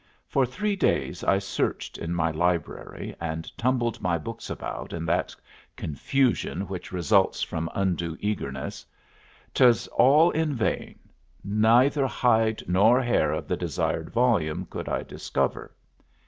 For three days I searched in my library, and tumbled my books about in that confusion which results from undue eagerness; 't was all in vain; neither hide nor hair of the desired volume could I discover.